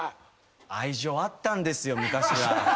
愛情あったんですよ昔は。